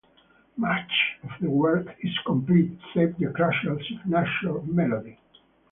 Much of the work is complete, save the crucial signature melody.